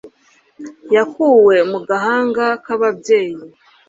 Yakuwe mu gahanga kababyeyi